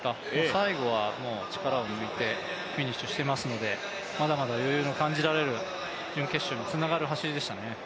最後は力を抜いてフィニッシュしていますのでまだまだ余裕の感じられる準決勝につながる走りでしたね。